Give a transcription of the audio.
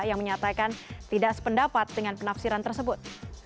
yang menyatakan tidak sependapat dengan penafsiran tersebut